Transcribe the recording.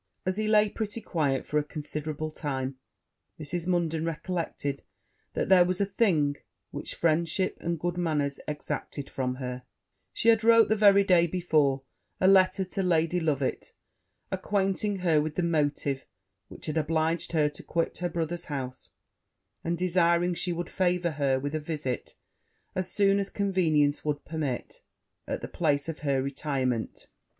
As he lay pretty quiet for a considerable time, Mrs. Munden recollected that there was a thing which friendship and good manners exacted from her: she had wrote, the very day before, to Lady Loveit, acquainting her with the motive which had obliged her to quit her brother's house, and desiring she would favour her with a visit, as soon as convenience would permit, at the place of her retirement.